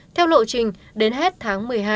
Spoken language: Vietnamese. theo lộ trình đến hết tháng một mươi hai